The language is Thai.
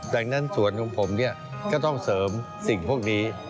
ดังนั้นสวนของผมเนี่ยก็ต้องเสริมสิ่งพวกนี้